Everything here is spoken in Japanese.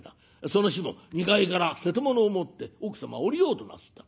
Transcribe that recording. その日も２階から瀬戸物を持って奥様は下りようとなすった。